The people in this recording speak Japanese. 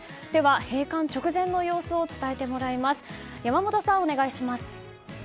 閉館直前の様子を伝えてもらいます。